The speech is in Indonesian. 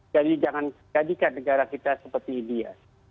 jadi jangan jadikan negara kita seperti india